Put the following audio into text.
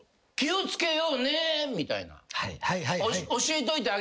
気を付けようねみたいな。